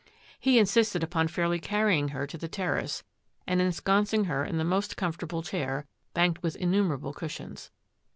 He insisted upon fairly carry ing her to the terrace and ensconcing her in the most comfortable chair, banked with innumerable cushions.